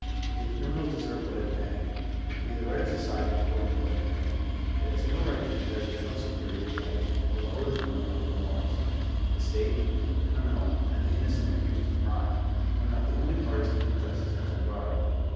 Be the crimi wtl's desert what it may, and be the right of society toward him what it may, it has no right to impair the general security of life, or lower the tone of public morals. The state, the cri minal, and the innocent accused of crime, are not the only par ties to whom Justice has regard.